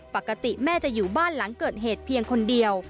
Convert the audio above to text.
ปกติแม่จะอยู่บ้านหลังเกิดเหตุเพียงคนเดียว